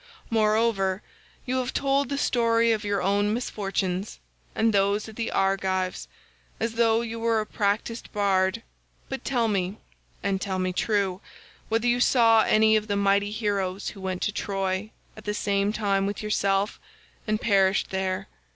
Moreover you have told the story of your own misfortunes, and those of the Argives, as though you were a practiced bard; but tell me, and tell me true, whether you saw any of the mighty heroes who went to Troy at the same time with yourself, and perished there.